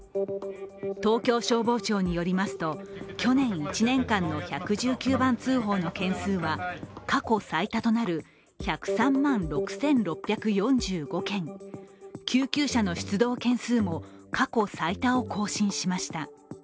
東京消防庁によりますと去年１年間の１１９番通報の件数は過去最多となる１０３万６６４５件救急車の出動件数も過去最多を更新しました。